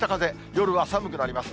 夜は寒くなります。